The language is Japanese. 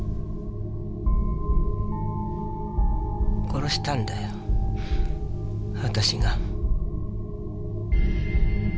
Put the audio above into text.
殺したんだよ私が。